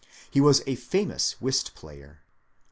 He was a famous whist player.